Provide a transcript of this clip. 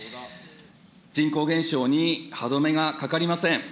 人口減少に歯止めがかかりません。